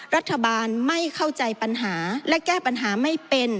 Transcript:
รัฐบาลไม่เข้าใจปัญหาและแก้ปัญหาไม่เป็น